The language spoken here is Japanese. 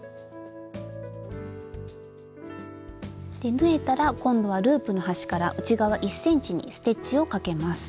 縫えたら今度はループの端から内側１ｃｍにステッチをかけます。